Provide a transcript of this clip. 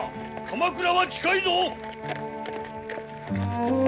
鎌倉は近いぞ！